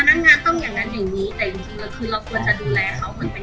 นักงานต้องอย่างนั้นอย่างนี้แต่จริงจริงเราคือเราควรจะดูแลเขาเหมือนเป็น